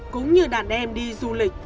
cũng như đàn em đi du lịch